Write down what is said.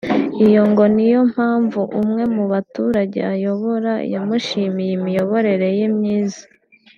Iyo ngo ni yo mpamvu umwe mu baturage ayobora yamushimiye imiyoborere ye myiza